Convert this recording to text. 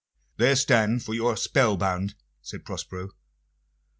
"There stand, for you are spell bound," said Prospero.